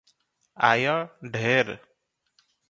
ଆୟ ଢେର ।